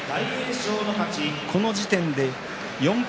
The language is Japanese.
この時点で４敗